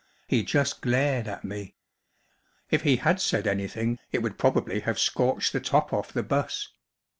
He just glared at me. If he had said anything it would prob¬ ably have scorched the top off the bus.